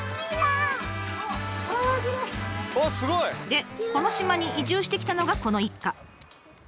でこの島に移住してきたのがこの一家。